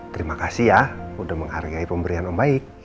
terima kasih ya udah menghargai pemberian om baik